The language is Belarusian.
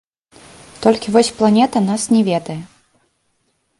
Толькі вось планета нас не ведае.